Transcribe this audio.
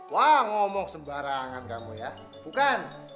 wah ngomong sembarangan kamu ya bukan